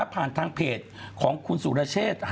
ผ่านทางเพจของคุณสุรเชษ